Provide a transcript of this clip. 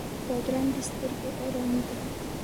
بادرنګ د سترګو آرامي ده.